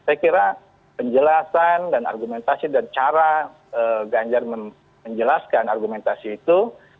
saya kira penjelasan dan argumentasi dan cara ganjar menjelaskan argumentasi itu